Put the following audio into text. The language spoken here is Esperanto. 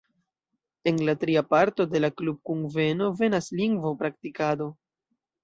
En la tria parto de la klubkunveno venas lingvo-praktikado.